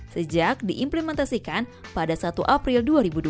sejak diimplementasikan pada satu april dua ribu dua puluh